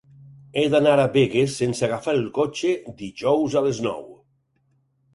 He d'anar a Begues sense agafar el cotxe dijous a les nou.